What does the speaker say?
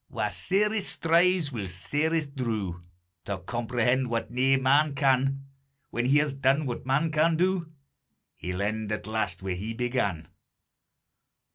Wha sairest strives, will sairest rue, To comprehend what nae man can; When he has done what man can do, He'll end at last where he began.